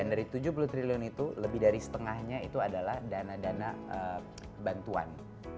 dan dari tujuh puluh triliun itu lebih dari setengahnya itu adalah dana dana bantuan